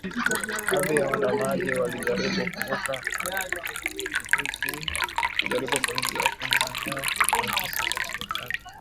baadhi ya waandamanaji walijaribu kuvunja kizuizi kujaribu kuingia kwenye maeneo ya ofisi za serikali